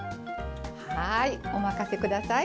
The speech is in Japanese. はーい、お任せください。